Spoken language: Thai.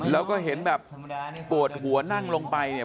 แล้วก็เห็นแบบปวดหัวนั่งลงไปเนี่ย